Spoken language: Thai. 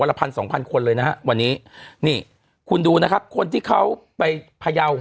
ละพันสองพันคนเลยนะฮะวันนี้นี่คุณดูนะครับคนที่เขาไปพยาว